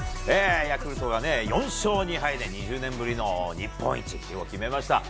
ヤクルトが４勝２敗で２０年ぶりの日本一を決めました。